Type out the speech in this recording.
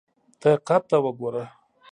ته یې قد ته وګوره !